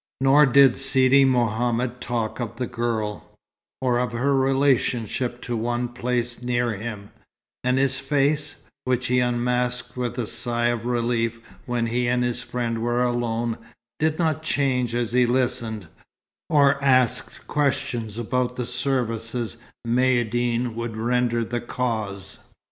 Nor did Sidi Mohammed talk of the girl, or of her relationship to one placed near him; and his face (which he unmasked with a sigh of relief when he and his friend were alone) did not change as he listened, or asked questions about the services Maïeddine would render the Cause.